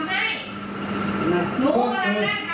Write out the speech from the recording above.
คนที่นั่งอยู่ตรงนี้ทำได้